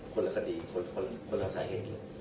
คนละคดีคนละสาเหตุ